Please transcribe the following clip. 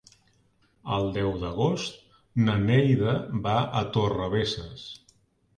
El deu d'agost na Neida va a Torrebesses.